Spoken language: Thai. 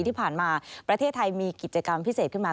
ที่ผ่านมาประเทศไทยมีกิจกรรมพิเศษขึ้นมา